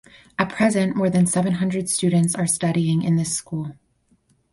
At present more than seven hundred students are studying in this school.